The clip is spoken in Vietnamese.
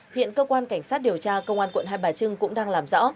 hiện cơ quan cảnh sát điều tra công an quận hai bà trưng cũng đang làm rõ